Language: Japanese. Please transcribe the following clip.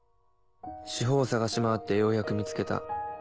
四方捜し回ってようやく見つけた。